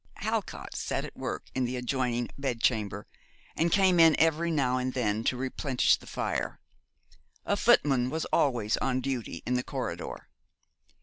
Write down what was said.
Halcott sat at work in the adjoining bed chamber, and came in every now and then to replenish the fire: a footman was always on duty in the corridor.